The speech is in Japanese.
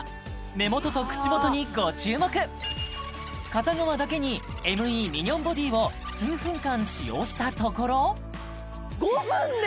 目元と口元にご注目片側だけにＭＥミニョンボディを数分間使用したところ５分で！？